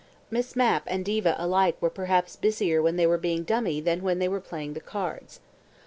Miss Mapp and Diva alike were perhaps busier when they were being dummy than when they were playing the cards.